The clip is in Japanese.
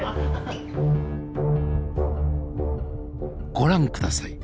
ご覧下さい！